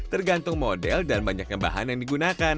tergantung model dan banyaknya bahan yang digunakan